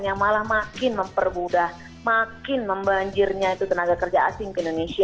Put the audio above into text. yang malah makin mempermudah makin membanjirnya itu tenaga kerja asing ke indonesia